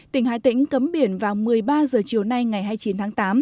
tỉnh hà tĩnh cấm biển vào một mươi ba h chiều nay ngày hai mươi chín tháng tám